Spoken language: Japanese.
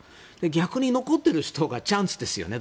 逆に残っている人がチャンスですよね。